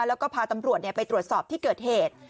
แล้วก็พาตำรวจไปตรวจสอบที่เกิดเหตุ